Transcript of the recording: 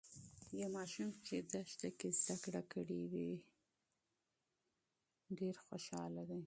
یو ماشوم چې دښته کې زده کړې کوي، ډیر خوشاله دی.